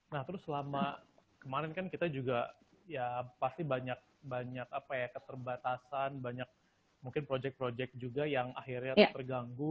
nah terus selama kemarin kan kita juga ya pasti banyak banyak keterbatasan banyak mungkin project project juga yang akhirnya terganggu